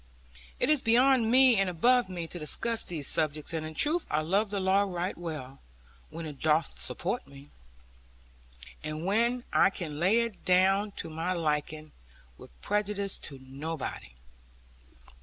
It is beyond me and above me, to discuss these subjects; and in truth I love the law right well, when it doth support me, and when I can lay it down to my liking, with prejudice to nobody.